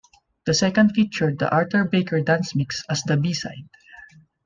The second featured the Arthur Baker Dance Mix as the B-side.